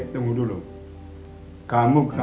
terima kasih pak